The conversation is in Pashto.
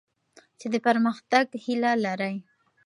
چي د پرمختګ هیله لرئ.